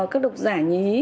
các độc giả nhí